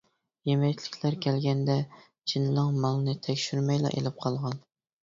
يېمەكلىكلەر كەلگەندە جىن لىڭ مالنى تەكشۈرمەيلا ئېلىپ قالغان.